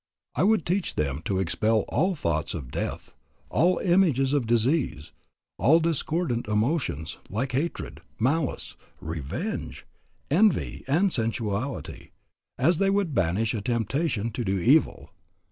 I would teach them to expel all thoughts of death, all images of disease, all discordant emotions, like hatred, malice, revenge, envy, and sensuality, as they would banish a temptation to do evil.